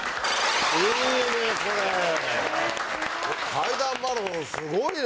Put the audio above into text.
階段マラソンすごいね。